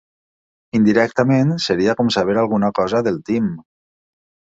Indirectament seria com saber alguna cosa del Tim.